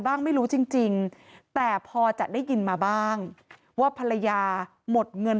ไม่รู้จริงแต่พอจะได้ยินมาบ้างว่าภรรยาหมดเงิน